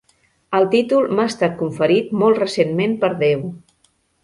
El títol m'ha estat conferit molt recentment per Déu.